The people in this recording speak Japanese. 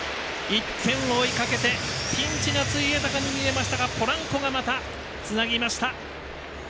１点を追いかけてピンチがついえたかに見えましたがポランコが、またつなぎました。